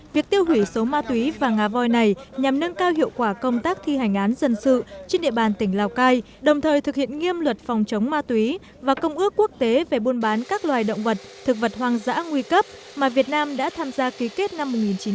việc tiêu hủy số ma túy và ngà voi này nhằm nâng cao hiệu quả công tác thi hành án dân sự trên địa bàn tỉnh lào cai đồng thời thực hiện nghiêm luật phòng chống ma túy và công ước quốc tế về buôn bán các loài động vật thực vật hoang dã nguy cấp mà việt nam đã tham gia ký kết năm một nghìn chín trăm bảy mươi